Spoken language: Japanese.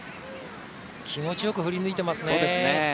気持ちよく振り抜いていますね。